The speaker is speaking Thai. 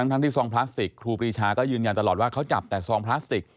ทั้งที่ซองพลาสติกครูปรีชาก็ยืนยันตลอดว่าเขาจับแต่ซองพลาสติก